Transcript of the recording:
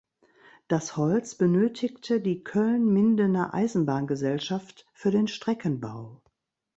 Das Holz benötigte die Köln-Mindener Eisenbahn-Gesellschaft für den Streckenbau.